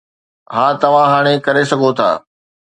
ها، توهان هاڻي ڪري سگهو ٿا